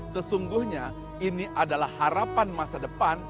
sesungguhnya ini adalah harapan masa depan